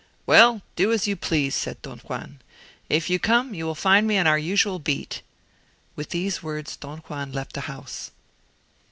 "Well, do as you please," said Don Juan: "if you come you will find me on our usual beat." With these words Don Juan left the house.